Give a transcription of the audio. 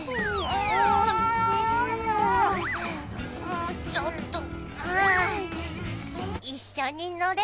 もうちょっと。